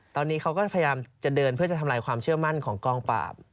ตอนนี้เขาก็พยายามจะเดินเพื่อจะทำลายความเชื่อมั่นของกองปราบ